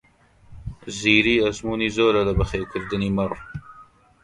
زیری ئەزموونی زۆرە لە بەخێوکردنی مەڕ.